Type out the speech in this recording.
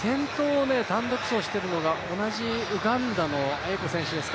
先頭を単独走しているのが、同じウガンダのアエコ選手ですか。